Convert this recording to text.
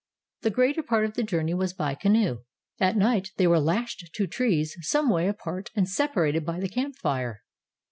The greater part of the journey was by canoe. At night they were lashed to trees some way apart, and separated by the camp fire.